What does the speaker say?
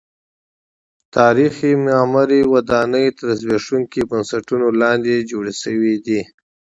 تاریخي معمارۍ او ودانۍ تر زبېښونکو بنسټونو لاندې جوړې شوې دي.